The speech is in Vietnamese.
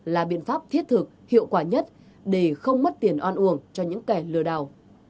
là biện pháp thiết thực hiệu quả nhất để không mất tiền oan uổng cho những kẻ lừa đảo